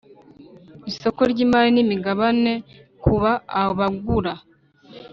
Isoko ry imari n imigabane kuba abagura